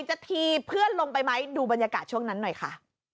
จะทีเพื่อนลงไปไหมดูบรรยากาศช่วงนั้นหน่อยค่ะ